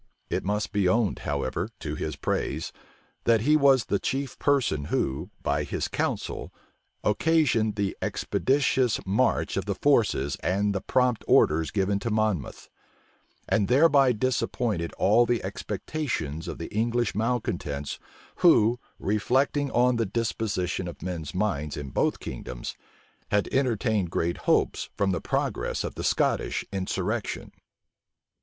It must be owned, however, to his praise, that he was the chief person who, by his counsel, occasioned the expeditious march of the forces and the prompt orders given to Monmouth; and thereby disappointed all the expectations of the English malecontents, who, reflecting on the disposition of men's minds in both kingdoms, had entertained great hopes from the progress of the Scottish insurrection.